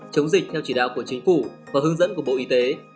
chống dịch theo chỉ đạo của chính phủ và hướng dẫn của bộ y tế